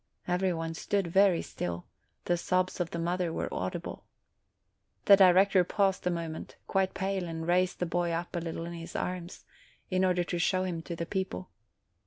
Every one stood very still; the sobs of the mother were audible. The director paused a moment, quite pale, and raised the boy up a little in his arms, in order to show him to the people.